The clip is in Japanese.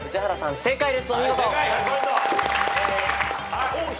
正解です。